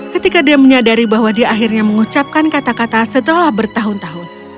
ketika dia menyadari bahwa dia akhirnya mengucapkan kata kata setelah bertahun tahun